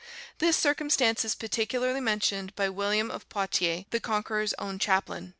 This circumstance is particularly mentioned by William of Poictiers, the Conqueror's own chaplain.